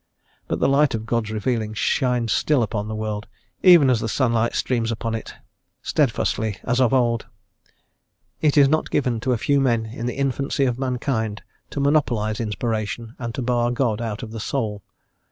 But the light of God's revealing shines still upon the world, even as the sunlight streams upon it steadfastly as of old; "it is not given to a few men in the infancy of mankind to monopolise inspiration and to bar God out of the soul....